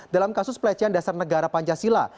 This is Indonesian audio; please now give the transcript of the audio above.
dalam kasus pelecehan dasar negara pancasila